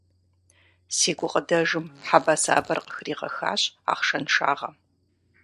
Си гукъыдэжым хьэбэсабэр къыхригъэхащ ахъшэншагъэм.